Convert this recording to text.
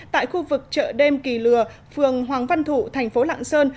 tại khu vực chợ đêm kỳ lừa phường hoàng văn thụ tp lạng sơn